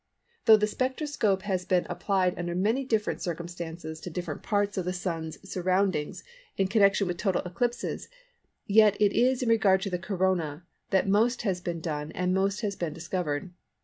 Though the spectroscope has been applied under many different circumstances to different parts of the Sun's surroundings in connection with total eclipses yet it is in regard to the Corona that most has been done and most has been discovered.